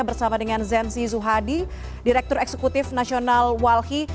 bersama dengan zenzi zuhadi direktur eksekutif nasional walhi